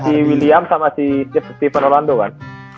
ada si william sama si steven orlando kan